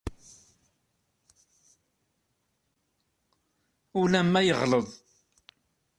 Ulamma yeɣleḍ.